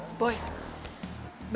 tidak ini dia